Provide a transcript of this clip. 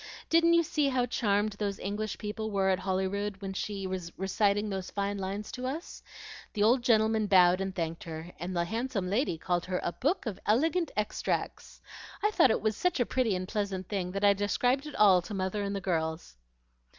Didn't you see how charmed those English people were at Holyrood when she was reciting those fine lines to us? The old gentleman bowed and thanked her, and the handsome lady called her 'a book of elegant extracts.' I thought it was such a pretty and pleasant thing that I described it all to mother and the girls."